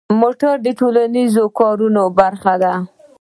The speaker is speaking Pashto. موټر د ټولنیزو کارونو برخه ده.